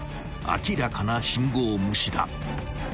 ［明らかな信号無視だ］